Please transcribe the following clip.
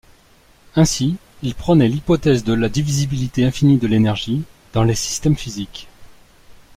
Ainsi, il prônait l'hypothèse de la divisibilité infinie de l'énergie dans les systèmes physiques.